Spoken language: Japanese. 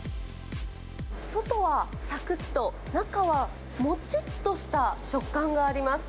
外はさくっと、中はもちっとした食感があります。